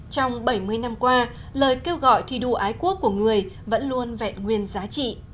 trong bảy mươi năm qua lời kêu gọi thi đua ái quốc của người vẫn luôn vẹn nguyên giá trị